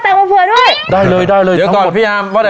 ตักกระเผือด้วยได้เลยได้เลยเดี๋ยวก่อนพี่อาร์มว่าใด